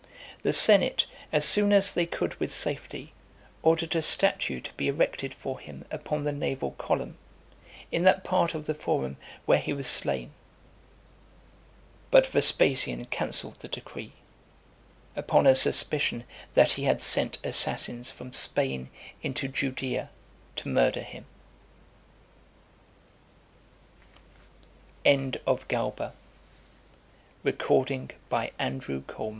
The senate, as soon as they could with safety, ordered a statue to be erected for him upon the naval column, in that part of the Forum where he (415) was slain. But Vespasian cancelled the decree, upon a suspicion that he had sent assassins from Spain into Juda